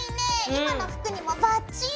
今の服にもバッチリ！